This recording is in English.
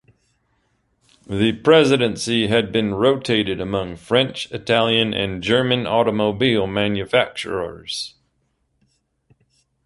The presidency had been rotated among French, Italian and German automobile manufacturers.